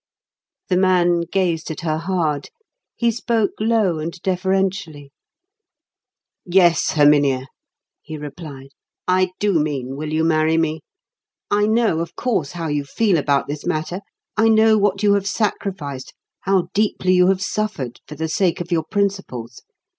The man gazed at her hard. He spoke low and deferentially. "Yes, Herminia," he replied. "I do mean, will you marry me? I know, of course, how you feel about this matter; I know what you have sacrificed, how deeply you have suffered, for the sake of your principles.